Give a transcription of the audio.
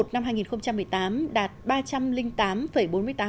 năm hai nghìn một mươi tám đạt